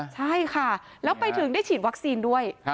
ใช่ค่ะแล้วไปถึงได้ฉีดวัคซีนด้วย